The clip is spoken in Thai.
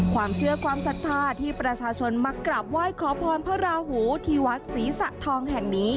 ความเชื่อความศรัทธาที่ประชาชนมากราบไหว้ขอพรพระราหูที่วัดศรีสะทองแห่งนี้